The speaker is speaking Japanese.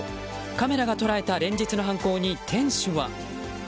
カメラが捉えた連日の犯行に店主は？